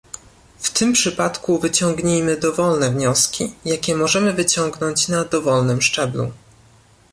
W tym przypadku wyciągnijmy dowolne wnioski, jakie możemy wyciągnąć na dowolnym szczeblu